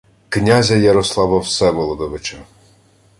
князя Ярослава Всеволодовича